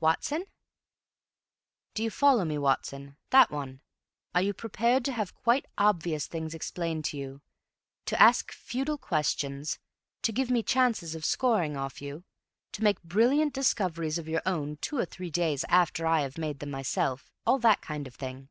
"Watson?" "Do you follow me Watson; that one. Are you prepared to have quite obvious things explained to you, to ask futile questions, to give me chances of scoring off you, to make brilliant discoveries of your own two or three days after I have made them myself—all that kind of thing?